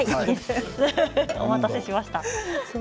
お待たせしました。